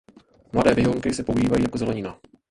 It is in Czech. Mladé výhonky se používají jako zelenina.